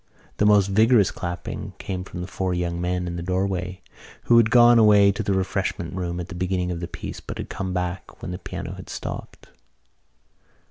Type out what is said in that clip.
The most vigorous clapping came from the four young men in the doorway who had gone away to the refreshment room at the beginning of the piece but had come back when the piano had stopped.